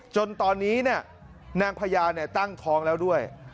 จนตอนนี้นางพญาตั้งท้องแล้วด้วย